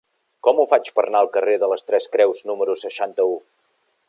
Com ho faig per anar al carrer de les Tres Creus número seixanta-u?